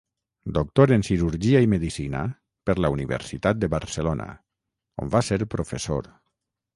Doctor en cirurgia i medicina per la Universitat de Barcelona, on va ser professor.